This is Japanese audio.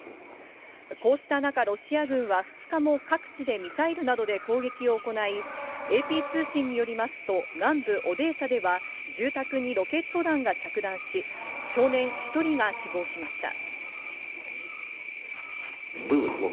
こうした中、ロシア軍は２日も各地でミサイルなどで攻撃を行い、ＡＰ通信によりますと、南部オデーサでは、住宅にロケット弾が着弾し、少年１人が死亡しました。